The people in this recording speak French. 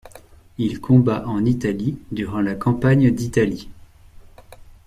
Il combat en Italie durant la campagne d'Italie.